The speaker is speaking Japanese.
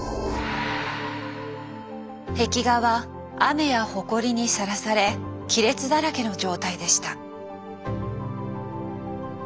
壁画は雨やほこりにさらされ亀裂だらけの状態でした。